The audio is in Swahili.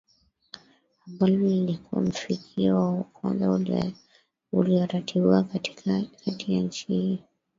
ambalo lilikuwa mfikio wa kwanza ulioratibiwa kati ya nchi ili